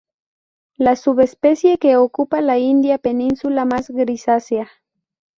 La subespecie que ocupa la India península más grisácea.